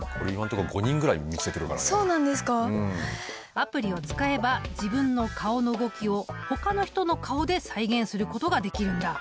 アプリを使えば自分の顔の動きをほかの人の顔で再現することができるんだ。